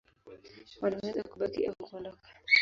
Wanaweza kubaki au kuondoka.